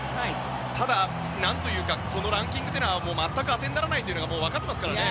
ただ、何というかこのランキングというのは全くあてにならないことがもう分かっていますからね。